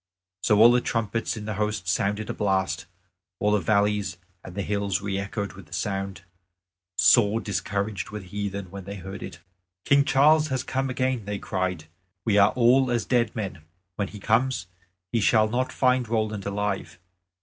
So all the trumpets in the host sounded a blast; all the valleys and hills re echoed with the sound; sore discouraged were the heathen when they heard it. "King Charles has come again," they cried; "we are all as dead men. When he comes he shall not find Roland alive."